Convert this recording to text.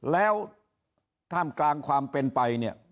แล้วท่ามกลางความเป็นไปเนี่ย